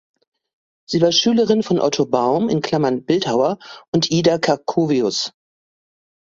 Sie war Schülerin von Otto Baum (Bildhauer) und Ida Kerkovius.